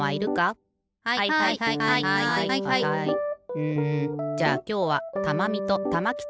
うんじゃあきょうはたまみとたまきちいってくれ。